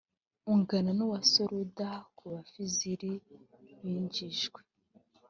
ungana n uwa soluda ku basivili binjijwe